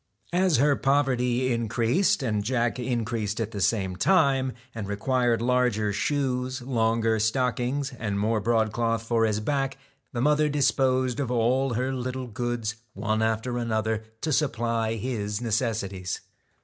As her poverty increased, and Jack increased at the same time, and required larger shoes, longer stockings, and more broadcloth for his back, the mother disposed of all her little goods one after another, to supply his necessities.